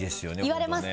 言われますか？